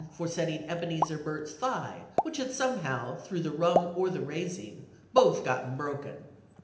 for setting Ebenezer Burt's thy' which had somehow through the rum or the raising, both gotten broken."